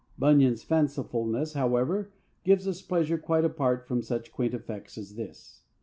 Bunyan's fancifulness, however, gives us pleasure quite apart from such quaint effects as this.